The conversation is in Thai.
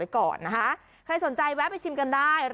ใครสนใจแวะไปชิมกันได้